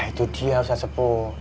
ah itu dia ustadz sepuh